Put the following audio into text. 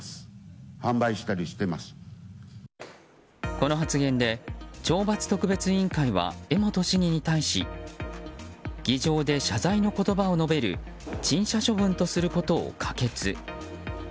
この発言で懲罰特別委員会は江本市議に対し議場で謝罪の言葉を述べる陳謝処分とすることを可決。